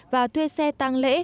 và thuê xe tăng lễ